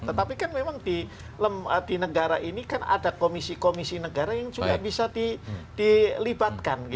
tetapi kan memang di negara ini kan ada komisi komisi negara yang juga bisa dilibatkan